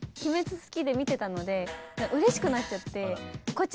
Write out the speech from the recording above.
好きで見てたのでうれしくなっちゃってこっち